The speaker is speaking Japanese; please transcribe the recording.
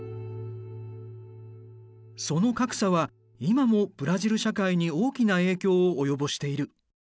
その格差は今もブラジル社会に大きな影響を及ぼしている。